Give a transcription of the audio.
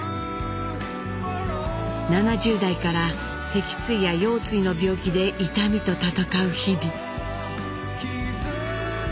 ７０代から脊椎や腰椎の病気で痛みと闘う日々。